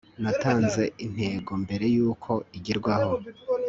natanze intego mbere yuko igerwaho